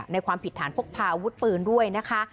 ความผิดฐานพกพาอาวุธปืนด้วยนะคะ